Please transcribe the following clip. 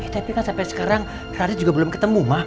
tapi kan sampai sekarang radit juga belum ketemu ma